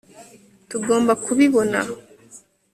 tugomba kubibona